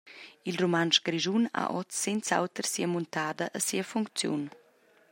Il rumantsch grischun ha oz senz’auter sia muntada e sia funcziun.